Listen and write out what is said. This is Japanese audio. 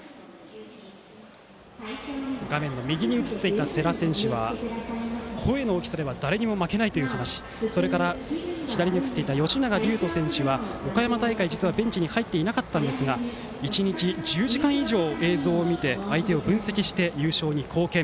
画面右に映っていた世良選手は声の大きさでは誰も負けないという選手左に映っていた吉永隆人選手は岡山大会、実はベンチに入っていなかったんですが１日１０時間以上、映像を見て相手を分析して優勝に貢献。